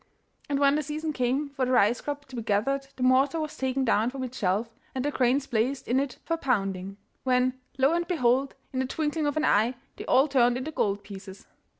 And when the season came for the rice crop to be gathered the mortar was taken down from its shelf, and the grains placed in it for pounding, when, lo and behold! in a twinkling of an eye, they all turned into gold pieces.